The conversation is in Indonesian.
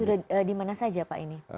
di mana saja pak ini